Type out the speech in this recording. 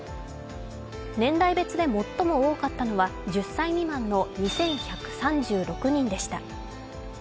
年代別で最も多かったのは１０歳未満の２１３６人でした。